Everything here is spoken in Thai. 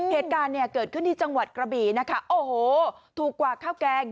เหตุการณ์เนี่ยเกิดขึ้นที่จังหวัดกระบี่นะคะโอ้โหถูกกว่าข้าวแกง